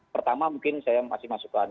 pertama mungkin saya masih masukkan